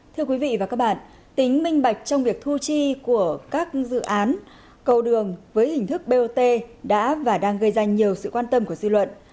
thưa quý vị và các bạn tính minh bạch trong việc thu chi của các dự án cầu đường với hình thức bot đã và đang gây ra nhiều sự quan tâm của dư luận